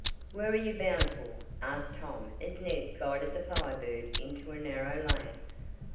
"Where are you bound for?" asked Tom as Ned guided the Fire Bird into a narrow lane.